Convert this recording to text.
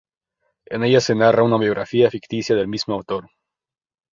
En ella se narra una biografía ficticia del mismo autor.